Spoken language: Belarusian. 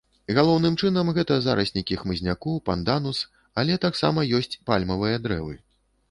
Галоўным чынам, гэта зараснікі хмызняку, панданус, але таксама ёсць пальмавыя дрэвы.